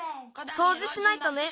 そうじしないとね。